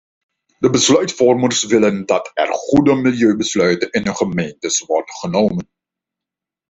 De besluitvormers willen dat er goede milieubesluiten in hun gemeentes worden genomen.